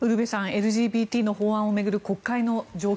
ＬＧＢＴの法案を巡る国会の状況